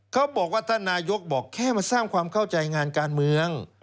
เขาบอกว่าท่านนายกบอกแค่มาสร้างความเข้าใจงานการเมือง